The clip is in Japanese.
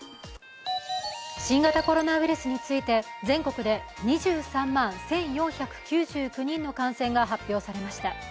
新型コロナウイルスについて全国で２３万１４９９人の感染が発表されました。